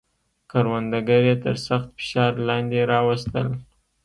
کروندګر یې تر سخت فشار لاندې راوستل.